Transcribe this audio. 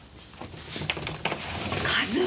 和夫！